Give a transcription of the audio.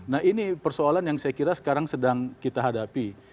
nah ini persoalan yang saya kira sekarang sedang kita hadapi